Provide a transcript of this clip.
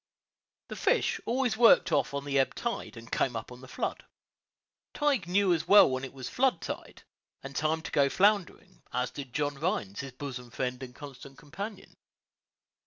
The fish always worked off on the ebb tide, and came up on the flood. Tige knew as well when it was flood tide, and time to go floundering, as did John Rhines, his bosom friend and constant companion.